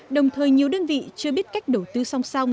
đồng thời nhiều đơn vị chưa biết cách đầu tư song song